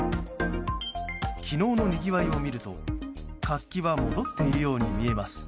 昨日のにぎわいを見ると、活気は戻っているように見えます。